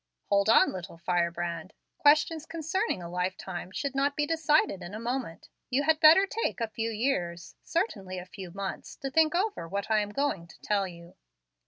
"Hold on, little firebrand. Questions concerning a lifetime should not be decided in a moment. You had better take a few years certainly, a few months to think over what I am going to tell you.